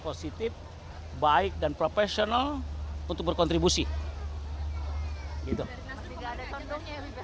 positif baik dan profesional untuk berkontribusi gitu maksudnya